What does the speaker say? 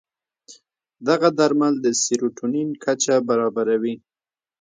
دغه درمل د سیروتونین کچه برابروي.